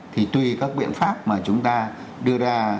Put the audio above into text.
thì tuy các biện pháp mà chúng ta đưa ra